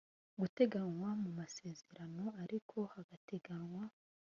guteganywa mu masezerano ariko hakagenwa